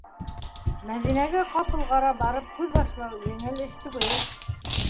Мәҙинәгә ҡапылғара барып һүҙ башлау - еңел эш түгел.